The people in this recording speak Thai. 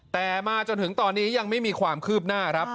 แต่มาจนถึงตอนนี้ยังไม่มีความคืบหน้าครับ